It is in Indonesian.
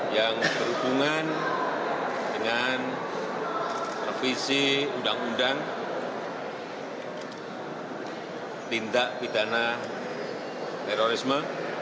yang berhubungan dengan revisi undang undang tindak pidana terorisme